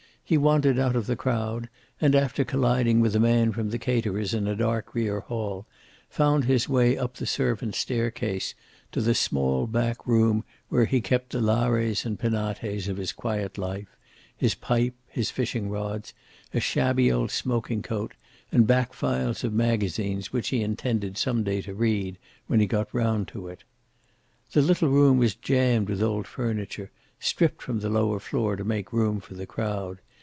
He wandered out of the crowd and, after colliding with a man from the caterer's in a dark rear hall, found his way up the servant's staircase to the small back room where he kept the lares and penates of his quiet life, his pipe, his fishing rods, a shabby old smoking coat, and back files of magazines which he intended some day to read, when he got round to it. The little room was jammed with old furniture, stripped from the lower floor to make room for the crowd.